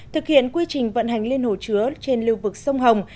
thực hiện quy trình vận hành liên hồ chứa trên lưu vực sông hồng